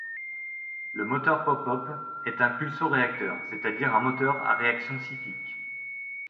Le moteur pop-pop est un pulsoréacteur, c'est-à-dire un moteur à réaction cyclique.